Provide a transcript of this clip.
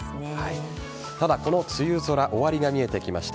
ただ、この梅雨空終わりが見えてきました。